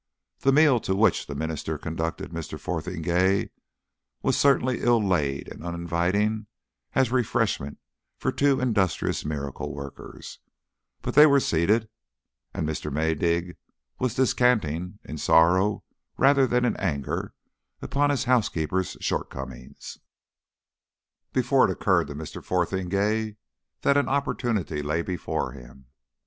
The meal to which the minister conducted Mr. Fotheringay was certainly ill laid and uninviting as refreshment for two industrious miracle workers; but they were seated, and Mr. Maydig was descanting in sorrow rather than in anger upon his housekeeper's shortcomings, before it occurred to Mr. Fotheringay that an opportunity lay before him.